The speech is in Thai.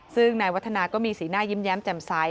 ซึ่งนายวัฒนาก็มีสีหน้ายิ้มแย้มแจ่มใส